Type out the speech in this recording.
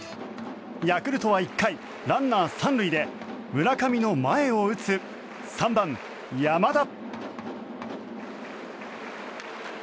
ヤクルトは１回ランナー３塁で村上の前を打つ３番、山田。